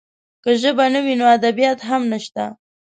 که ژبه نه وي، نو ادبیات هم نشته.